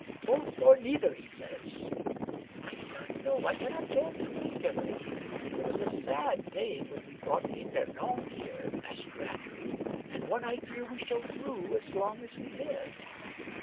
Both or neither, he says. But I do not know. I cannot bear to think of it. It was a sad day when we brought Epernon here. Master Andrew ; and one I fear we shall rue as long as we live."